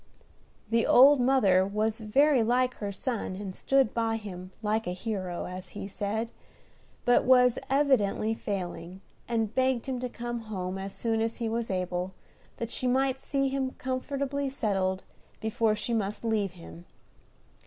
The old mother was very like her son, and stood by him "like a hero," as he said, but was evidently failing, and begged him to come home as soon as he was able, that she might see him comfortably settled before she must leave him.